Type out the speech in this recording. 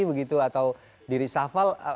begitu atau dirisafal